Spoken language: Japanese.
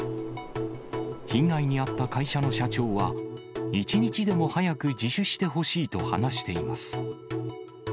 被害に遭った会社の社長は、一日でも早く自首してほしいと話しています。